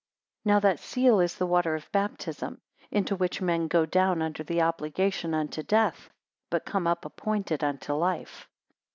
154 Now that seal is the water of baptism, into which men go down under the obligation unto death, but come up appointed unto life.